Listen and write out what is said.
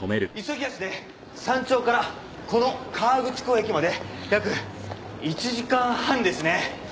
急ぎ足で山頂からこの河口湖駅まで約１時間半ですね。